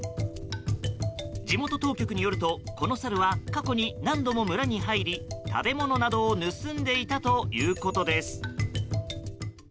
地元当局によると、このサルは過去に何度も村に入り食べ物などを盗んでいたということです。